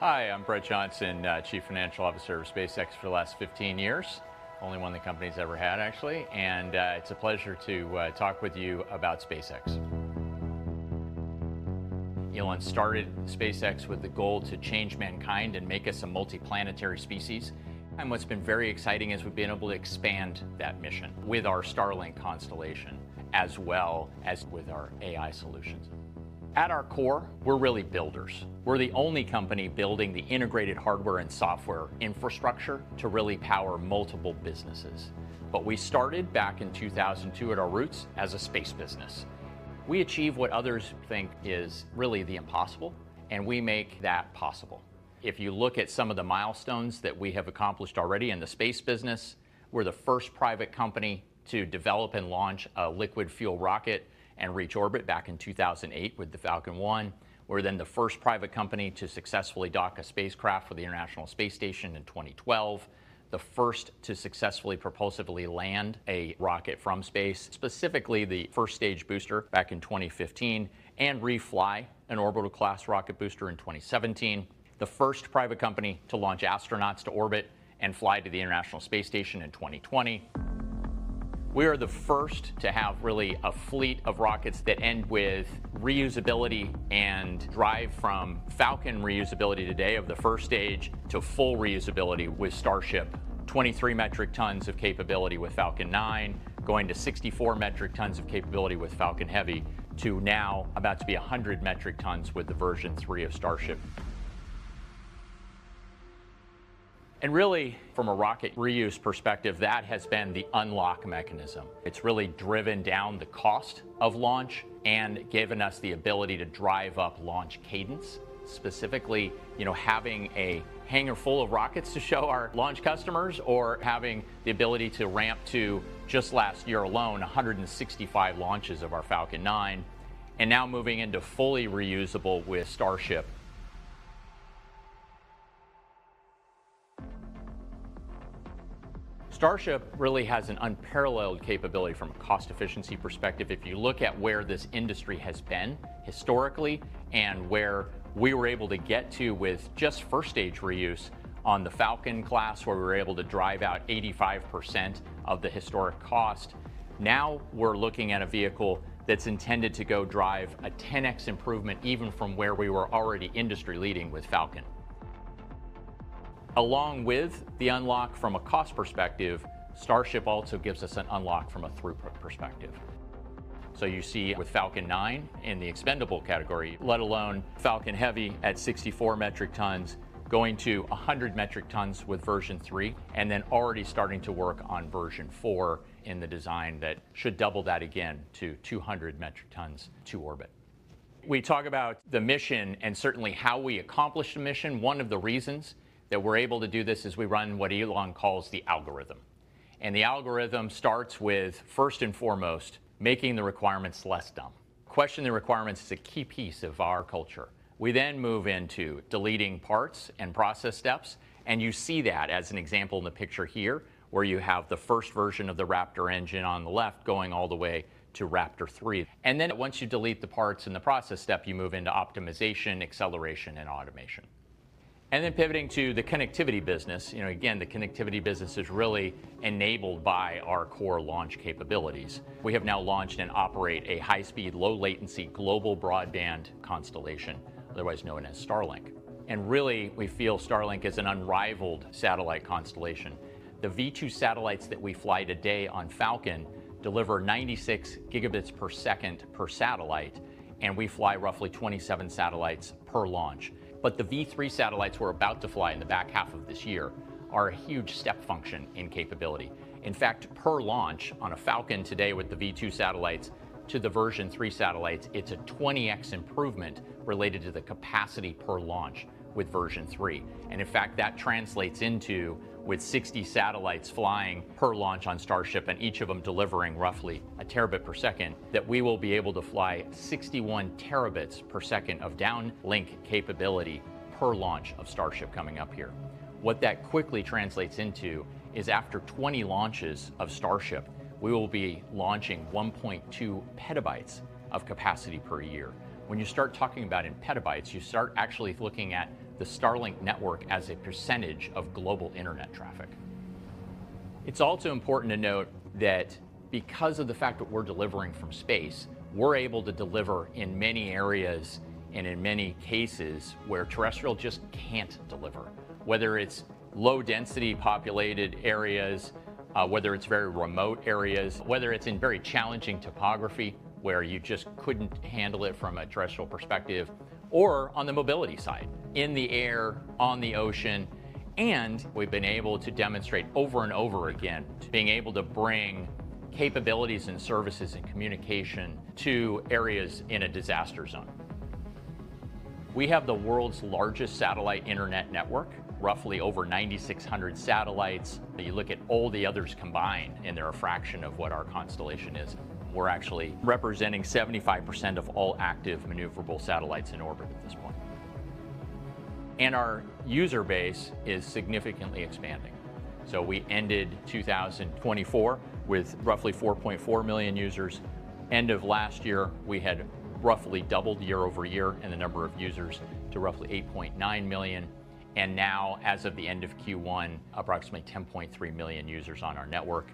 Hi, I'm Bret Johnsen, Chief Financial Officer of SpaceX for the last 15 years. Only one the company's ever had, actually. It's a pleasure to talk with you about SpaceX. Elon started SpaceX with the goal to change mankind and make us a multi-planetary species. What's been very exciting is we've been able to expand that mission with our Starlink constellation as well as with our AI solutions. At our core, we're really builders. We're the only company building the integrated hardware and software infrastructure to really power multiple businesses. We started back in 2002 at our roots as a space business. We achieve what others think is really the impossible, and we make that possible. If you look at some of the milestones that we have accomplished already in the space business, we're the first private company to develop and launch a liquid fuel rocket and reach orbit back in 2008 with the Falcon 1. We're the first private company to successfully dock a spacecraft with the International Space Station in 2012. The first to successfully propulsively land a rocket from space, specifically the first stage booster back in 2015, and refly an orbital class rocket booster in 2017. The first private company to launch astronauts to orbit and fly to the International Space Station in 2020. We are the first to have really a fleet of rockets that end with reusability and drive from Falcon reusability today of the first stage to full reusability with Starship. 23 metric tons of capability with Falcon 9, going to 64 metric tons of capability with Falcon Heavy, to now about to be 100 metric tons with the version three of Starship. Really, from a rocket reuse perspective, that has been the unlock mechanism. It's really driven down the cost of launch and given us the ability to drive up launch cadence. Specifically, having a hangar full of rockets to show our launch customers or having the ability to ramp to, just last year alone, 165 launches of our Falcon 9, now moving into fully reusable with Starship. Starship really has an unparalleled capability from a cost efficiency perspective. If you look at where this industry has been historically and where we were able to get to with just first stage reuse on the Falcon class, where we were able to drive out 85% of the historic cost. We're looking at a vehicle that's intended to go drive a 10x improvement even from where we were already industry-leading with Falcon. Along with the unlock from a cost perspective, Starship also gives us an unlock from a throughput perspective. You see with Falcon 9 in the expendable category, let alone Falcon Heavy at 64 metric tons, going to 100 metric tons with version 3, already starting to work on version 4 in the design that should double that again to 200 metric tons to orbit. We talk about the mission and certainly how we accomplish the mission. One of the reasons that we're able to do this is we run what Elon calls the algorithm. The algorithm starts with, first and foremost, making the requirements less dumb. Question the requirements is a key piece of our culture. We move into deleting parts and process steps, and you see that as an example in the picture here, where you have the first version of the Raptor engine on the left going all the way to Raptor 3. Once you delete the parts in the process step, you move into optimization, acceleration, and automation. Pivoting to the connectivity business. Again, the connectivity business is really enabled by our core launch capabilities. We have now launched and operate a high-speed, low latency global broadband constellation, otherwise known as Starlink. Really, we feel Starlink is an unrivaled satellite constellation. The V2 satellites that we fly today on Falcon deliver 96 gigabits per second per satellite, and we fly roughly 27 satellites per launch. The V3 satellites we're about to fly in the back half of this year are a huge step function in capability. In fact, per launch on a Falcon today with the V2 satellites to the V3 satellites, it's a 20x improvement related to the capacity per launch with V3. In fact, that translates into, with 60 satellites flying per launch on Starship and each of them delivering roughly one terabit per second, that we will be able to fly 61 terabits per second of downlink capability per launch of Starship coming up here. What that quickly translates into is after 20 launches of Starship, we will be launching 1.2 petabytes of capacity per year. When you start talking about it in petabytes, you start actually looking at the Starlink network as a percentage of global internet traffic. It's also important to note that because of the fact that we're delivering from space, we're able to deliver in many areas and in many cases where terrestrial just can't deliver. Whether it's low density populated areas, whether it's very remote areas. Whether it's in very challenging topography where you just couldn't handle it from a terrestrial perspective, or on the mobility side, in the air, on the ocean. We've been able to demonstrate over and over again, being able to bring capabilities and services and communication to areas in a disaster zone. We have the world's largest satellite internet network, roughly over 9,600 satellites. You look at all the others combined, and they're a fraction of what our constellation is. We're actually representing 75% of all active maneuverable satellites in orbit at this point. Our user base is significantly expanding. We ended 2024 with roughly 4.4 million users. End of last year, we had roughly doubled year-over-year in the number of users to roughly 8.9 million. As of the end of Q1, approximately 10.3 million users on our network.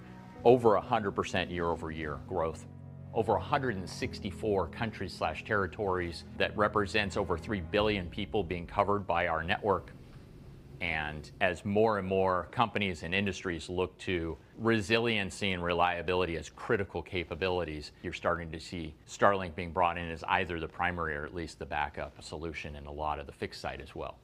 Over 100% year-over-year growth. Over 164 countries/territories. That represents over 3 billion people being covered by our network. As more and more companies and industries look to resiliency and reliability as critical capabilities, you're starting to see Starlink being brought in as either the primary or at least the backup solution in a lot of the fixed site as well.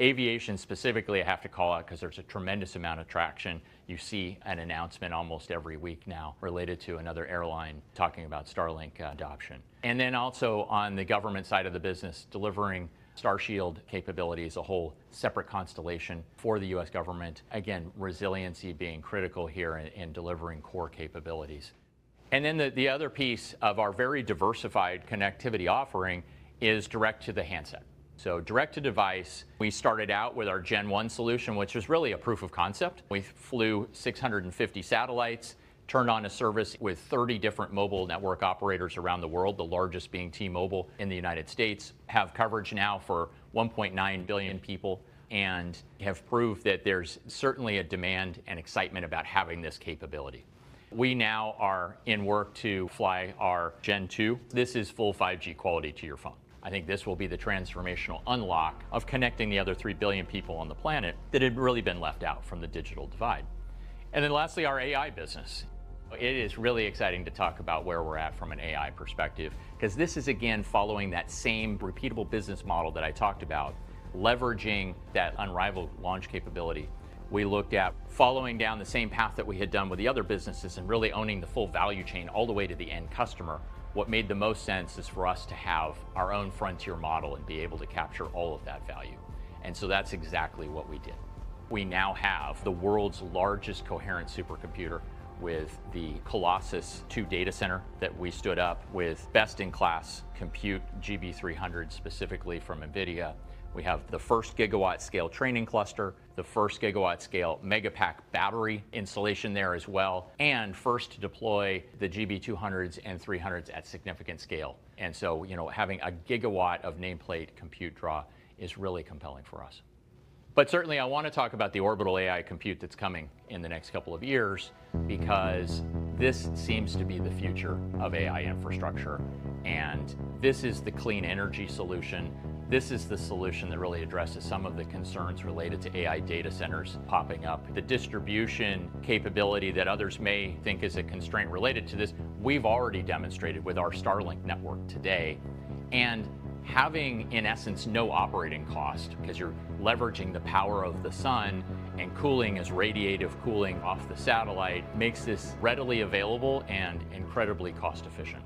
Aviation specifically, I have to call out because there's a tremendous amount of traction. You see an announcement almost every week now related to another airline talking about Starlink adoption. Also on the government side of the business, delivering Starshield capability as a whole separate constellation for the U.S. government. Again, resiliency being critical here in delivering core capabilities. The other piece of our very diversified connectivity offering is direct to the handset. Direct to device, we started out with our Gen 1 solution, which was really a proof of concept. We flew 650 satellites, turned on a service with 30 different mobile network operators around the world, the largest being T-Mobile in the U.S. Have coverage now for 1.9 billion people and have proved that there's certainly a demand and excitement about having this capability. We now are in work to fly our Gen 2. This is full 5G quality to your phone. I think this will be the transformational unlock of connecting the other 3 billion people on the planet that had really been left out from the digital divide. Lastly, our AI business. It is really exciting to talk about where we're at from an AI perspective, because this is again following that same repeatable business model that I talked about, leveraging that unrivaled launch capability. We looked at following down the same path that we had done with the other businesses and really owning the full value chain all the way to the end customer. What made the most sense is for us to have our own frontier model and be able to capture all of that value. That's exactly what we did. We now have the world's largest coherent supercomputer with the Colossus-2 data center that we stood up with best-in-class compute GB300s specifically from NVIDIA. We have the first gigawatt scale training cluster, the first gigawatt scale Megapack battery installation there as well, and first to deploy the GB200s and 300s at significant scale. Having 1 GW of nameplate compute draw is really compelling for us. Certainly, I want to talk about the orbital AI compute that's coming in the next couple of years because this seems to be the future of AI infrastructure, and this is the clean energy solution. This is the solution that really addresses some of the concerns related to AI data centers popping up. The distribution capability that others may think is a constraint related to this, we've already demonstrated with our Starlink network today. Having, in essence, no operating cost because you're leveraging the power of the sun and cooling is radiative cooling off the satellite, makes this readily available and incredibly cost efficient.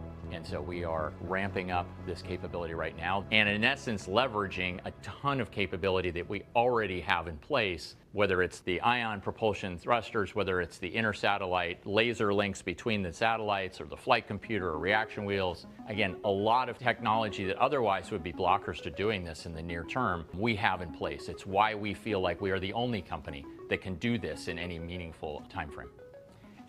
We are ramping up this capability right now and in essence, leveraging a ton of capability that we already have in place, whether it's the ion propulsion thrusters, whether it's the inter-satellite laser links between the satellites or the flight computer or reaction wheels. Again, a lot of technology that otherwise would be blockers to doing this in the near term, we have in place. It's why we feel like we are the only company that can do this in any meaningful timeframe.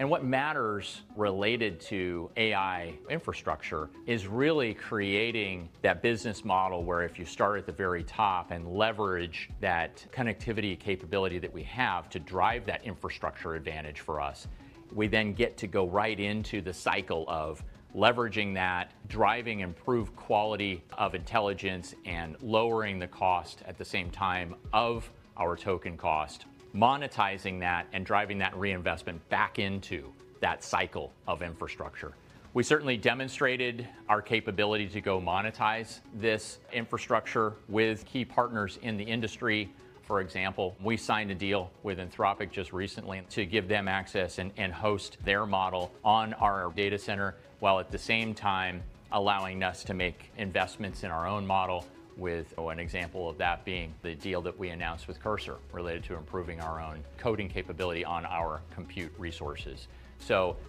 What matters related to AI infrastructure is really creating that business model where if you start at the very top and leverage that connectivity capability that we have to drive that infrastructure advantage for us, we then get to go right into the cycle of leveraging that, driving improved quality of intelligence, and lowering the cost at the same time of our token cost, monetizing that, and driving that reinvestment back into that cycle of infrastructure. We certainly demonstrated our capability to go monetize this infrastructure with key partners in the industry. For example, we signed a deal with Anthropic just recently to give them access and host their model on our data center, while at the same time allowing us to make investments in our own model with an example of that being the deal that we announced with Cursor related to improving our own coding capability on our compute resources.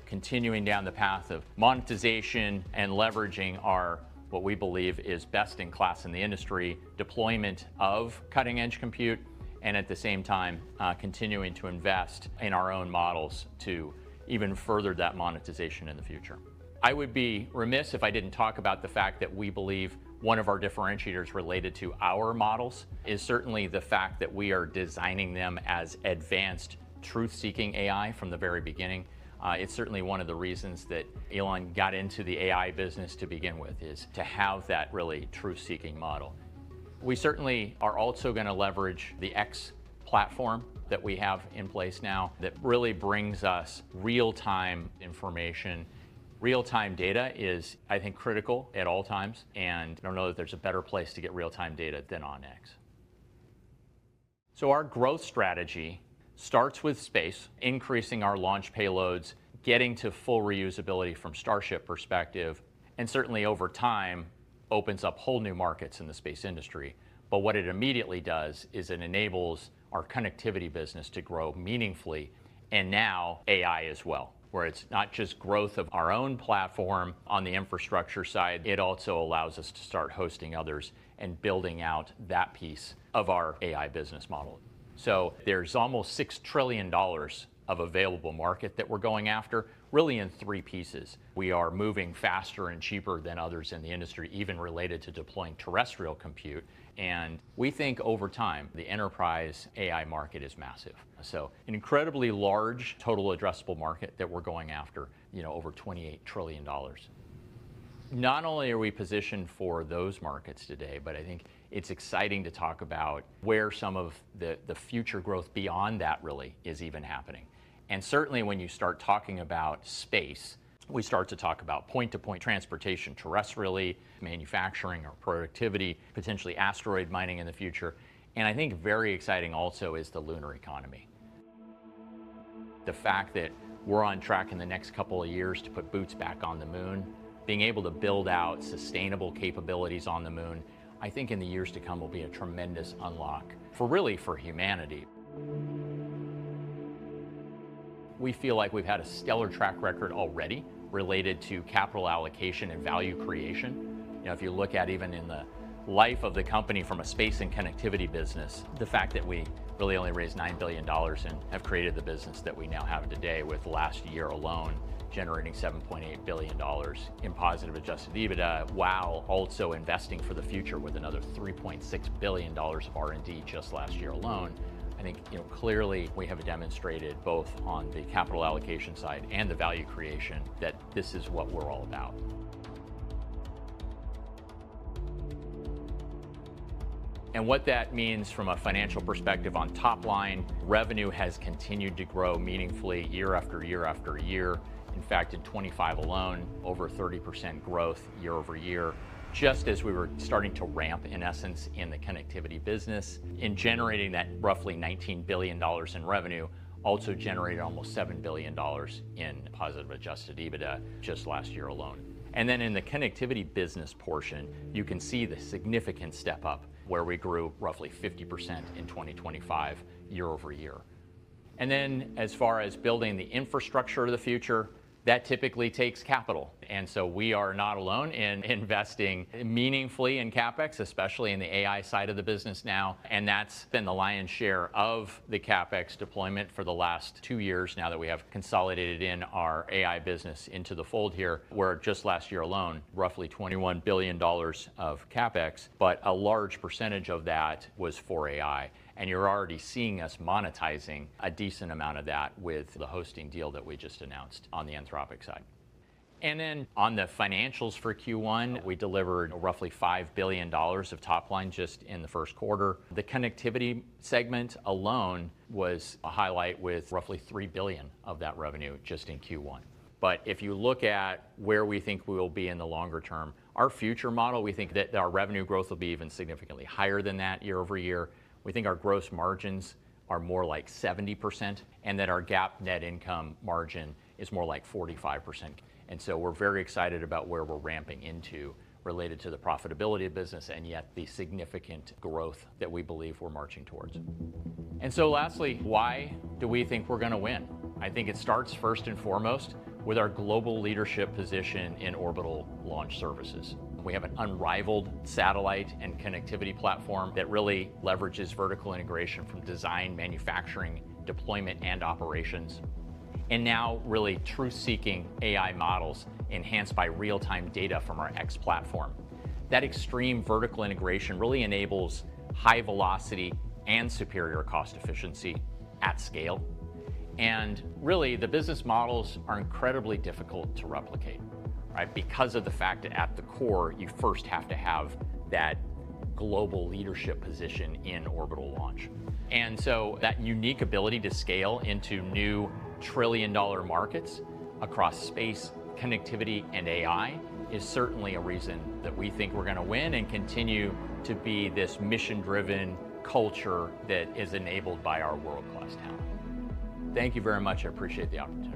Continuing down the path of monetization and leveraging our, what we believe is best in class in the industry, deployment of cutting-edge compute, and at the same time continuing to invest in our own models to even further that monetization in the future. I would be remiss if I didn't talk about the fact that we believe one of our differentiators related to our models is certainly the fact that we are designing them as advanced, truth-seeking AI from the very beginning. It's certainly one of the reasons that Elon got into the AI business to begin with, is to have that really truth-seeking model. We certainly are also going to leverage the X platform that we have in place now that really brings us real-time information. Real-time data is, I think, critical at all times, and I don't know that there's a better place to get real-time data than on X. Our growth strategy starts with space, increasing our launch payloads, getting to full reusability from Starship perspective, and certainly over time opens up whole new markets in the space industry. What it immediately does is it enables our connectivity business to grow meaningfully and now AI as well, where it's not just growth of our own platform on the infrastructure side, it also allows us to start hosting others and building out that piece of our AI business model. There's almost $6 trillion of available market that we're going after, really in three pieces. We are moving faster and cheaper than others in the industry, even related to deploying terrestrial compute. We think over time, the enterprise AI market is massive. An incredibly large total addressable market that we're going after, over $28 trillion. Not only are we positioned for those markets today, but I think it's exciting to talk about where some of the future growth beyond that really is even happening. Certainly when you start talking about space, we start to talk about point-to-point transportation terrestrially, manufacturing or productivity, potentially asteroid mining in the future. I think very exciting also is the lunar economy. The fact that we're on track in the next couple of years to put boots back on the Moon, being able to build out sustainable capabilities on the Moon, I think in the years to come will be a tremendous unlock for really, for humanity. We feel like we've had a stellar track record already related to capital allocation and value creation. If you look at even in the life of the company from a space and connectivity business, the fact that we really only raised $9 billion and have created the business that we now have today, with last year alone generating $7.8 billion in positive adjusted EBITDA, while also investing for the future with another $3.6 billion of R&D just last year alone. I think, clearly we have demonstrated both on the capital allocation side and the value creation, that this is what we're all about. What that means from a financial perspective on top line, revenue has continued to grow meaningfully year-after-year. In fact, in 2025 alone, over 30% growth year-over-year, just as we were starting to ramp, in essence, in the connectivity business. In generating that roughly $19 billion in revenue, also generated almost $7 billion in positive adjusted EBITDA just last year alone. In the connectivity business portion, you can see the significant step up where we grew roughly 50% in 2025 year-over-year. As far as building the infrastructure of the future, that typically takes capital. We are not alone in investing meaningfully in CapEx, especially in the AI side of the business now. That's been the lion's share of the CapEx deployment for the last two years now that we have consolidated in our AI business into the fold here, where just last year alone, roughly $21 billion of CapEx, but a large percentage of that was for AI. You're already seeing us monetizing a decent amount of that with the hosting deal that we just announced on the Anthropic side. On the financials for Q1, we delivered roughly $5 billion of top line just in the first quarter. The connectivity segment alone was a highlight, with roughly $3 billion of that revenue just in Q1. If you look at where we think we will be in the longer term, our future model, we think that our revenue growth will be even significantly higher than that year-over-year. We think our gross margins are more like 70%, and that our GAAP net income margin is more like 45%. We're very excited about where we're ramping into related to the profitability of business, and yet the significant growth that we believe we're marching towards. Lastly, why do we think we're going to win? I think it starts first and foremost with our global leadership position in orbital launch services. We have an unrivaled satellite and connectivity platform that really leverages vertical integration from design, manufacturing, deployment, and operations. Now really truth-seeking AI models enhanced by real-time data from our X platform. That extreme vertical integration really enables high velocity and superior cost efficiency at scale. Really, the business models are incredibly difficult to replicate, right? Because of the fact that at the core, you first have to have that global leadership position in orbital launch. That unique ability to scale into new trillion-dollar markets across space, connectivity, and AI is certainly a reason that we think we're going to win and continue to be this mission-driven culture that is enabled by our world-class talent. Thank you very much. I appreciate the opportunity.